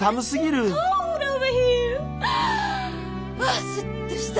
あスッとした！